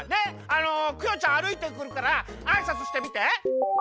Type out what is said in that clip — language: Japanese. あのクヨちゃんあるいてくるからあいさつしてみて。